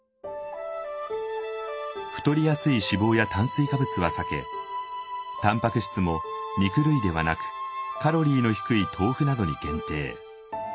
太りやすい脂肪や炭水化物は避けタンパク質も肉類ではなくカロリーの低い豆腐などに限定。